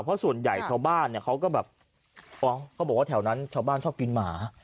เพราะส่วนใหญ่ชาวบ้านเนี่ยเขาก็แบบอ๋อเขาบอกว่าแถวนั้นชาวบ้านชอบกินหมา